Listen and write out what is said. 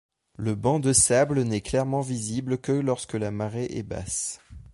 Le banc de sable n'est clairement visible que lorsque la marée est basse.